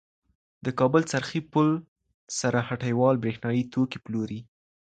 د کابل څرخې پل سره هټیوال بریښنایې توکې پلوری.